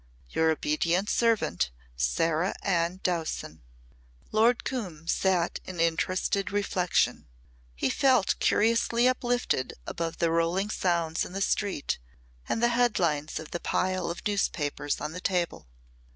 "Your obedient servant, SARAH ANN DOWSON." Lord Coombe sat in interested reflection. He felt curiously uplifted above the rolling sounds in the street and the headlines of the pile of newspapers on the table.